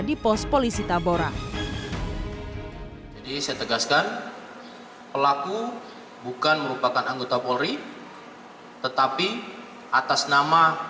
di pos polisi taborang jadi saya tegaskan pelaku bukan merupakan anggota polri tetapi atas nama